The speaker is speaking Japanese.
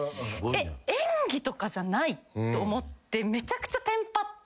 演技とかじゃないと思ってめちゃくちゃテンパって。